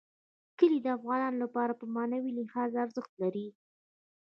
کلي د افغانانو لپاره په معنوي لحاظ ارزښت لري.